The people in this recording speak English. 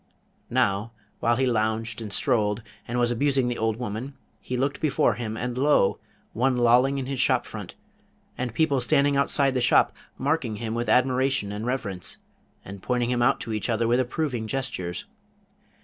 Now, while he lounged and strolled, and was abusing the old woman, he looked before him, and lo, one lolling in his shop front, and people standing outside the shop, marking him with admiration and reverence, and pointing him out to each other with approving gestures.